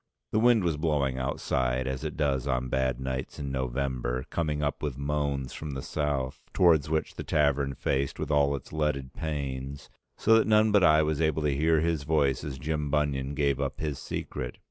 The wind was blowing outside as it does on bad nights in November, coming up with moans from the South, towards which the tavern faced with all its leaded panes, so that none but I was able to hear his voice as Jim Bunion gave up his secret.